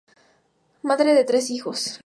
Madre de tres hijos.